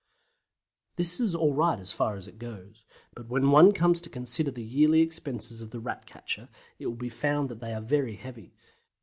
This is all right as far as it goes, but when one comes to consider the yearly expenses of the Rat catcher it will be found that they are very heavy.